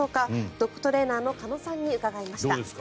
ドッグトレーナーの鹿野さんに伺いました。